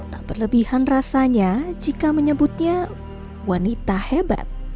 tak berlebihan rasanya jika menyebutnya wanita hebat